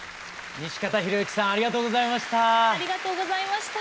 西方裕之さんありがとうございました。